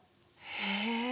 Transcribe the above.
へえ！